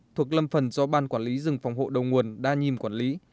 thuộc lâm phần do ban quản lý rừng phòng hộ đầu nguồn đa nhiêm quản lý